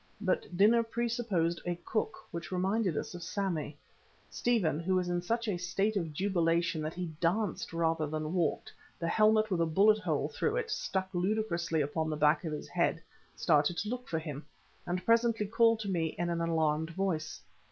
But dinner presupposed a cook, which reminded us of Sammy. Stephen, who was in such a state of jubilation that he danced rather than walked, the helmet with a bullet hole through it stuck ludicrously upon the back of his head, started to look for him, and presently called to me in an alarmed voice.